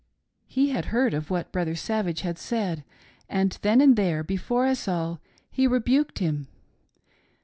" He had heard of what Brother Savage had said, and then and there, before us all, he rebuked him.